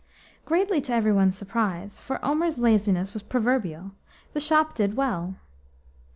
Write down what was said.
Greatly to every one's surprise, for Omer's laziness was proverbial, the shop did well.